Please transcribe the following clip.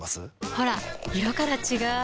ほら色から違う！